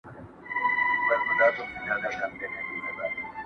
o هره ورځ اختر نه دئ، چي وريجي غوښي وخورې.